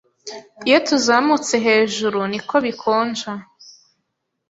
Iyo tuzamutse hejuru, niko bikonja.